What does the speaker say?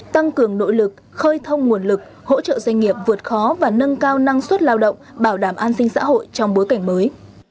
tăng cường nội lực khơi thông nguồn lực hỗ trợ doanh nghiệp vượt khó và nâng cao năng suất lao động bảo đảm an sinh xã hội trong bối cảnh mới